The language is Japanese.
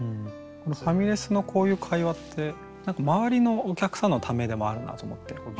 ファミレスのこういう会話って何か周りのお客さんのためでもあるなと思ってＢＧＭというか。